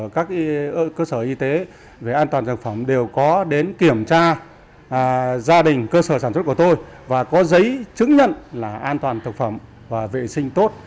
các cơ sở y tế về an toàn thực phẩm đều có đến kiểm tra gia đình cơ sở sản xuất của tôi và có giấy chứng nhận là an toàn thực phẩm và vệ sinh tốt